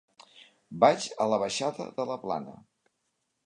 Vaig a la baixada de la Plana.